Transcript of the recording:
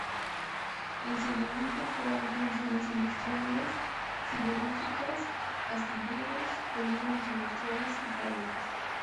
El seguimiento fue alto en zonas industriales, siderúrgicas, astilleros, polígonos industriales y fábricas.